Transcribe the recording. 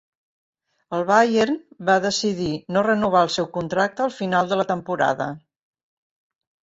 El Bayern va decidir no renovar el seu contracte al final de la temporada.